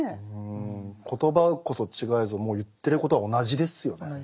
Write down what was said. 言葉こそ違えぞもう言ってることは同じですよね。